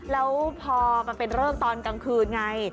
แล้วพอมันเป็นเลิกตอนกลางคืนไง